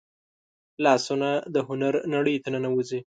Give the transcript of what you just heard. لاسونه د هنر نړۍ ته ننوځي